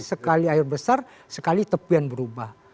sekali air besar sekali tepian berubah